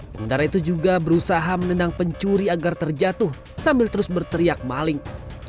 pengendara itu juga berusaha menendang pencuri agar terjatuh sambil terus berteriak maling